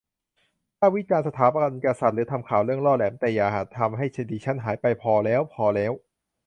ถ้าวิจารณ์สถาบันกษัตริย์หรือทำข่าวเรื่องล่อแหลม แต่อย่าทำให้ดิฉันหายไป พอแล้ว พอแล้ว